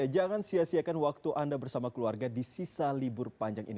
jangan sia siakan waktu anda bersama keluarga di sisa libur panjang ini